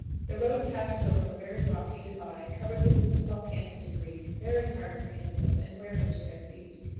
The road passes over a very rocky divide, covered with loose volcanic debris, very hard for animals, and wearing to their feet.